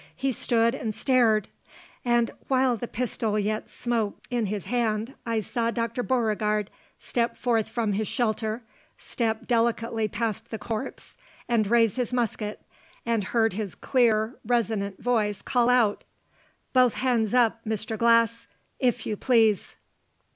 He stood and stared; and, while the pistol yet smoked in his hand, I saw Dr. Beauregard step forth from his shelter, step delicately past the corpse, and raise his musket; and heard his clear, resonant voice call out "Both hands up, Mr. Glass, if you please!"